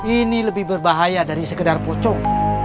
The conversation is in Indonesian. ini lebih berbahaya dari sekedar pocong